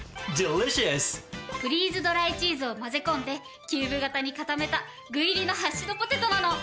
フリーズドライチーズを混ぜ込んでキューブ型に固めた具入りのハッシュドポテトなの！